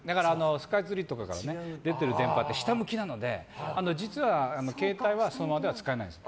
スカイツリーとかから出てるのって下向きなので実は携帯はその場では使えないんです。